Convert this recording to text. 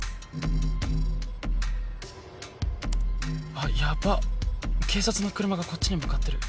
あっヤバッ警察の車がこっちに向かってる